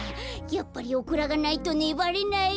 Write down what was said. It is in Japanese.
やっぱりオクラがないとねばれない。